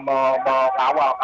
kasus ini dengan baik